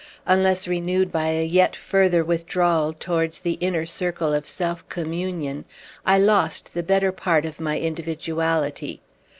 Unless renewed by a yet further withdrawal towards the inner circle of self communion, I lost the better part of my individuality.